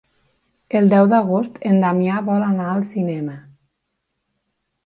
El deu d'agost en Damià vol anar al cinema.